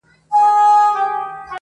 د دې مئين سړي اروا چي څوک په زړه وچيچي~